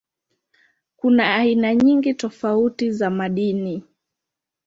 Kuna aina nyingi tofauti za madini.